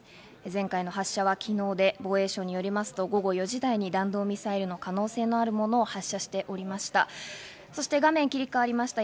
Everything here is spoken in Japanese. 前回の発射は昨日で防衛省によりますと、午後４時台に弾道ミサイルの可能性があるものを発射していました。